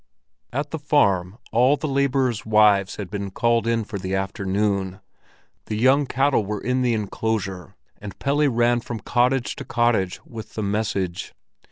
At the farm all the laborers' wives had been called in for the afternoon, the young cattle were in the enclosure, and Pelle ran from cottage to cottage with the message.